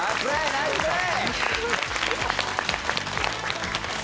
ナイスプレー。